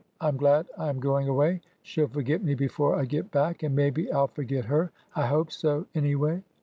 I 'm glad I am going away. She 'll forget me before I get back, and maybe I 'll forget her— I hope so, anyway."